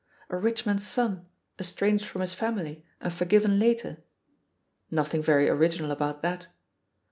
A rich man's son, estranged from his family and forgiven later? Nothing very original about that.